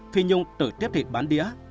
phi nhung tự tiếp thịt bán đĩa